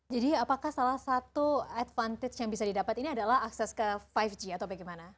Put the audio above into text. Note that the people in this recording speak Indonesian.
jadi apakah salah satu advantage yang bisa didapat ini adalah akses ke lima g atau bagaimana